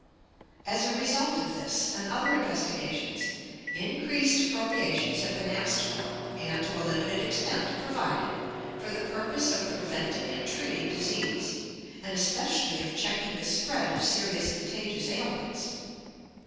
As a result of this and other investigations, increased appropriations have been asked for, and to a limited extent provided, for the purpose of preventing and treating disease, and especially of checking the spread of serious contagious ailments.